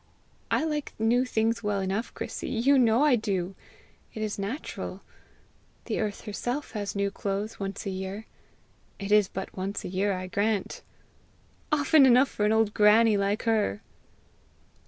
"I like new things well enough, Chrissy you know I do! It is natural. The earth herself has new clothes once a year. It is but once a year, I grant!" "Often enough for an old granny like her!"